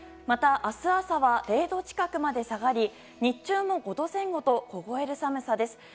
また、明日朝は０度近くまで下がり日中も５度前後と凍える寒さです。